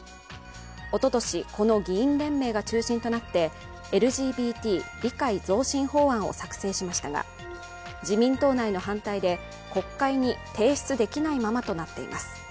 おととし、この議員連盟が中心となってＬＧＢＴ理解増進法案を作成しましたが、自民党内の反対で国会に提出できないままとなっています。